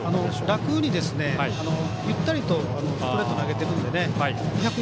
楽にゆったりとストレート投げてるのでね。